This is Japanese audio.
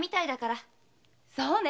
そうね。